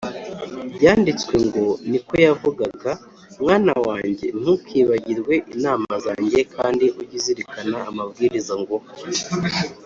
? Byanditswe ngo, niko yavugaga, “Mwana wanjye ntukibagirwe inama zanjye, kandi ujye uzirikana amabwiriza nguha